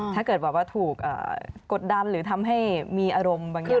ถ้าเกิดแบบว่าถูกกดดันหรือทำให้มีอารมณ์บางอย่าง